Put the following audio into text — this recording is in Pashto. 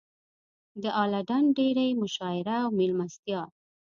د اله ډنډ ډېرۍ مشاعره او مېلمستیا.